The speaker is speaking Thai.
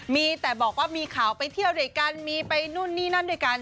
มีแต่บอกว่ามีข่าวไปเที่ยวด้วยกันมีไปนู่นนี่นั่นด้วยกัน